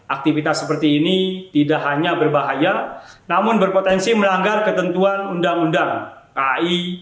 aktivitas seperti ini tidak hanya berbahaya namun berpotensi melanggar ketentuan undang undang kai